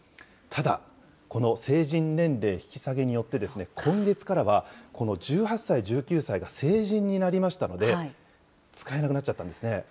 ただ、この成人年齢引き下げによって、今月からはこの１８歳、１９歳が成人になりましたので、使えなくなっちゃったんですね。